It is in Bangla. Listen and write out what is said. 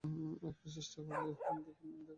একটু চেষ্টা করে দেখো।